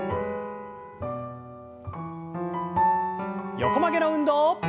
横曲げの運動。